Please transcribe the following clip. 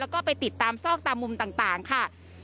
แล้วก็ไปติดตามซอกตามมุมต่างค่ะ